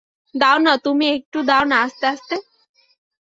দাও না, তুমিই একটু দাও না আস্তে আস্তে!